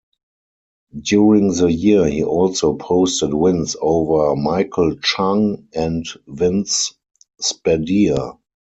During the year he also posted wins over Michael Chang and Vince Spadea.